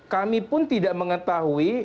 kami pun tidak mengetahui